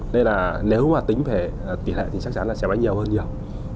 nên là nếu mà tính về tỷ lệ thì chắc chắn là xe máy nhiều hơn nhiều